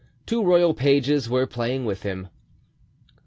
Two royal pages were playing with him.